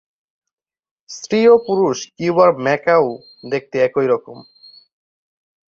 স্ত্রী ও পুরুষ কিউবার ম্যাকাও দেখতে একই রকম।